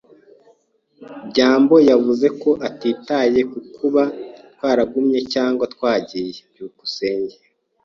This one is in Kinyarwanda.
byambo yavuze ko atitaye ku kuba twaragumye cyangwa twagiye. byukusenge